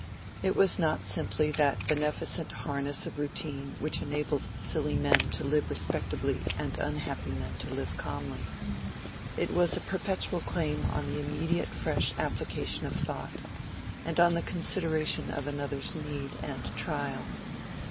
It was not simply that beneficent harness of routine which enables silly men to live respectably and unhappy men to live calmly—it was a perpetual claim on the immediate fresh application of thought, and on the consideration of another's need and trial.